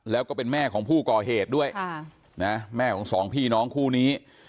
แล้วก็เป็นแม่ของผู้ก่อเหตุด้วยนะแม่ของสองพี่น้องคู่นี้